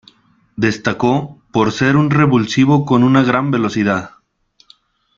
Destacó por ser un revulsivo con una gran velocidad.